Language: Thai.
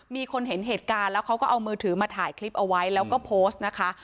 มีคนเห็นเหตุการณ์แล้วเขาก็เอามือถือมาถ่ายคลิปเอาไว้แล้วก็โพสต์นะคะ